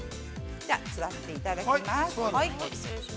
じゃあ座っていただきます。